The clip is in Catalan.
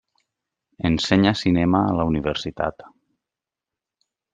Ensenya cinema a la universitat.